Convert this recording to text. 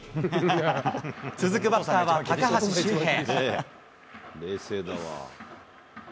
続くバッターは高橋周平。